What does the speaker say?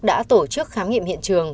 đã tổ chức khám nghiệm hiện trường